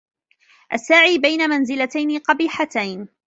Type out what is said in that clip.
السَّاعِي بَيْنَ مَنْزِلَتَيْنِ قَبِيحَتَيْنِ